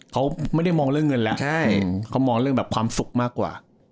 เขาไม่ได้มองเรื่องเงินแล้วเขามองเรื่องแบบความสุขมากกว่า